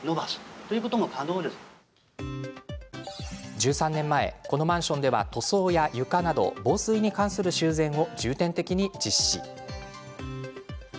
１３年前、このマンションでは塗装や床など防水に関する修繕を重点的に実施。